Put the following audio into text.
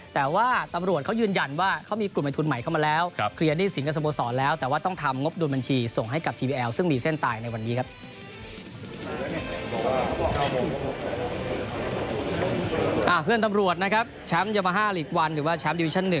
ตำรวจนะครับแชมป์ยามาฮ่าหลีก๑หรือว่าแชมป์ดิวิชั่น๑